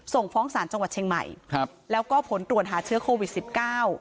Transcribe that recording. ส่งฟ้องศาลจังหวัดเชียงใหม่ครับแล้วก็ผลตรวจหาเชื้อโควิดสิบเก้า